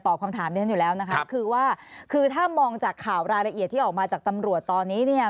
คำถามดิฉันอยู่แล้วนะคะคือว่าคือถ้ามองจากข่าวรายละเอียดที่ออกมาจากตำรวจตอนนี้เนี่ย